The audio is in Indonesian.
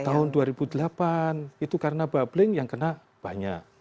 tahun dua ribu delapan itu karena bubbling yang kena banyak